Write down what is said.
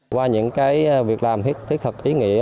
qua những cái việc làm thiết thực ý nghĩa